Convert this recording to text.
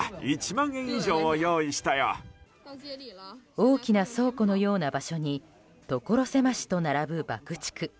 大きな倉庫のような場所に所狭しと並ぶ爆竹。